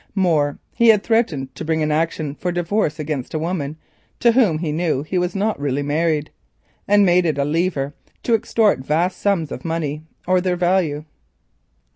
More, he had threatened to bring an action for divorce against a woman to whom he knew he was not really married and made it a lever to extort large sums of money or their value.